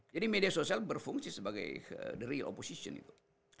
jadi media sosial berfungsi sebagai the real opposition itu